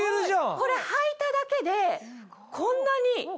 これはいただけでこんなに。